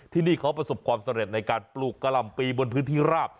ที่นี่เขาประสบความสำเร็จในการปลูกกะหล่ำปีบนพื้นที่ราบ